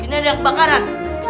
ini ada yang kebakaran